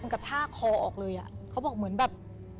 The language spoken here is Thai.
กระชากคอออกเลยอ่ะเขาบอกเหมือนแบบ